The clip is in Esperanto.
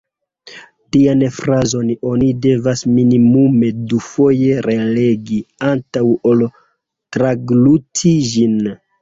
Tian frazon oni devas minimume dufoje relegi antaŭ ol tragluti ĝin.